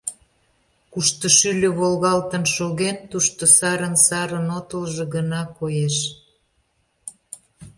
Кушто шӱльӧ волгалтын шоген, тушто сарын-сарын отылжо гына коеш.